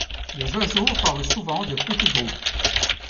Les oiseaux forment souvent de petits groupes.